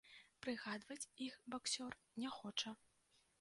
Прыгадваць іх баксёр не хоча.